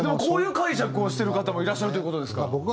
こういう解釈をしてる方もいらっしゃるという事ですから。